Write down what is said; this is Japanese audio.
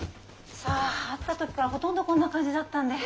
さあ会った時からほとんどこんな感じだったんで。